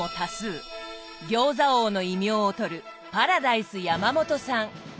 「餃子王」の異名をとるパラダイス山元さん。